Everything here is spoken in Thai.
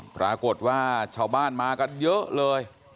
ปรากฏว่าชาวบ้านมากันเยอะเลย